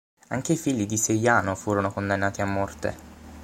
Anche i figli di Seiano furono condannati a morte.